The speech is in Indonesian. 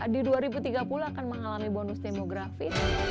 di dua ribu tiga puluh akan mengalami bonus demografi